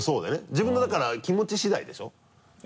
自分のだから気持ち次第でしょ。